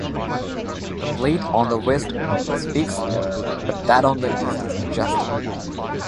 The plate on the west is fixed, but that on the east is adjustable.